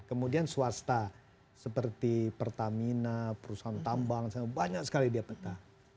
kemudian swasta seperti pertamina perusahaan tambang banyak sekali dia peta